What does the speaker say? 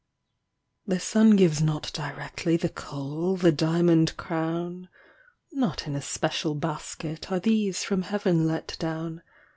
The sun gives not directly The coal, the diamond crown; Not in a special basket Are these from Heaven let down.